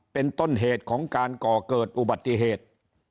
เป็นต้นเหตุของการก่อเกิดอุบัติเหตุ